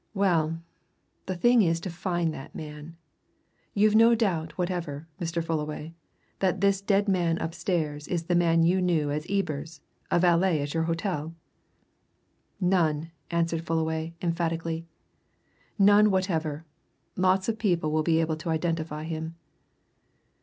"Well the thing is to find that man. You've no doubt whatever, Mr. Fullaway, that this dead man upstairs is the man you knew as Ebers, a valet at your hotel?" "None!" answered Fullaway emphatically. "None whatever. Lots of people will be able to identify him."